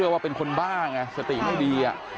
ว่าเป็นคนบ้าอ่ะสติดีอ่ะ